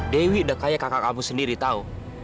dewi udah kayak kakak kamu sendiri tahu